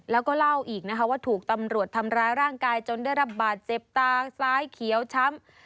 แล้วก็เล่าอีกนะคะว่าถูกตำรวจทำร้ายร่างกายจนได้รับบาดเจ็บตาซ้ายเขียวช้ำ